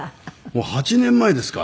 もう８年前ですか。